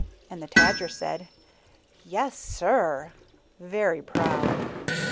And the Tajer said, " Yes, sir," very proud.